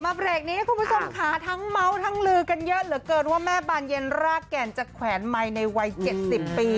เบรกนี้คุณผู้ชมค่ะทั้งเมาส์ทั้งลือกันเยอะเหลือเกินว่าแม่บานเย็นรากแก่นจะแขวนไมค์ในวัย๗๐ปี